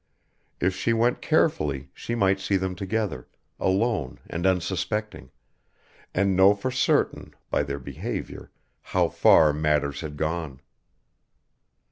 If she went carefully she might see them together, alone and unsuspecting, and know for certain by their behaviour how far matters had gone.